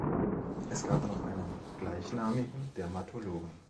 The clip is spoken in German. Es gab noch einen gleichnamigen Dermatologen.